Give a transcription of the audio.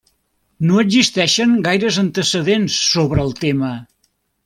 No existeixen gaires antecedents sobre el tema.